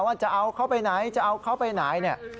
ว่าจะเอาเขาไปไหนจะเอาเขาไปไหนเนี่ย